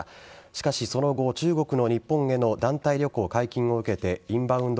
しかし、その後中国の日本への団体旅行解禁を受けてインバウンド